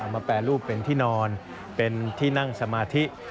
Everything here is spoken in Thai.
แปรรูปเป็นที่นอนเป็นที่นั่งสมาธิ